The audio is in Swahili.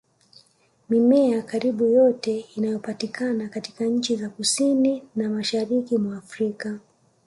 Mimea karibu yote inayopatikana katika nchi za Kusini na Mashariki mwa Afrika